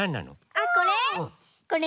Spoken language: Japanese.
あっこれ？